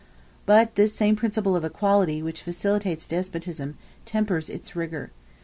But this same principle of equality which facilitates despotism, tempers its rigor.